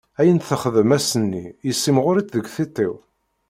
Ayen texdem ass-nni yessemɣer-itt deg tiṭ-iw.